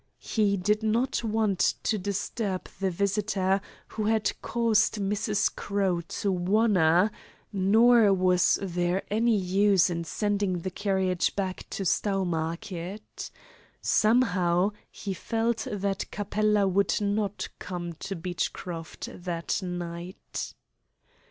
He did not want to disturb the visitor who had caused Mrs. Crowe to "wunner," nor was there any use in sending the carriage back to Stowmarket. Somehow, he felt that Capella would not come to Beechcroft that night.